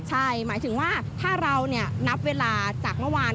ใช่หมายถึงว่าถ้าเรานับเวลาจากเมื่อวาน